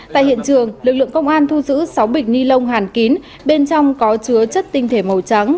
tại hiện trường lực lượng công an thu giữ sáu bịch ni lông hàn kín bên trong có chứa chất tinh thể màu trắng